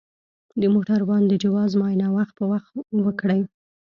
د موټروان د جواز معاینه وخت په وخت وکړئ.